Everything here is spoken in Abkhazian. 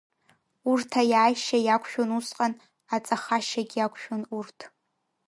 Урҭ аиааишьа иақәшәон усҟан, аҵахашьагь иақәшәон урҭ.